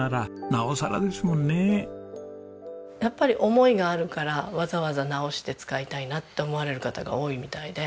やっぱり思いがあるからわざわざ直して使いたいなって思われる方が多いみたいで。